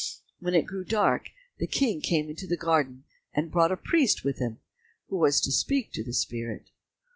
When it grew dark the King came into the garden and brought a priest with him, who was to speak to the spirit.